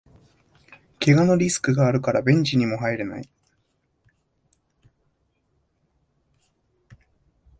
けがのリスクがあるからベンチにも入れない